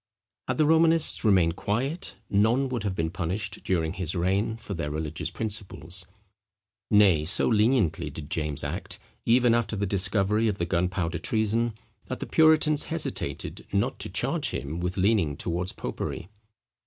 Had the Romanists remained quiet, none would have been punished during his reign for their religious principles. Nay, so leniently did James act, even after the discovery of the gunpowder treason, that the puritans hesitated not to charge him with leaning towards popery.